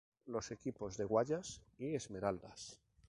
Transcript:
Los equipos de Guayas y Esmeraldas.